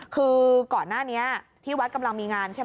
คือก่อนหน้านี้ที่วัดกำลังมีงานใช่ไหม